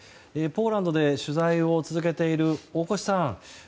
ポーランドで取材を続けている大越さん